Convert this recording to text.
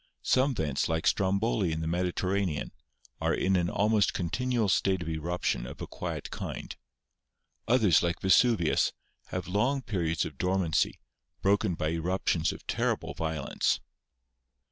Some vents, like Stromboli in the Mediterranean, are in an almost continual state of eruption of a quiet kind; others, like Vesuvius, have long periods of dormancy, broken by eruptions of terrible violence.